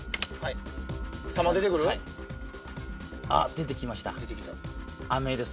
出て来ました。